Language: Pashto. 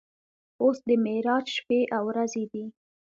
اوس د معراج شپې او ورځې دي.